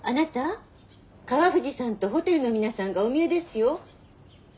川藤さんとホテルの皆さんがおみえですよ。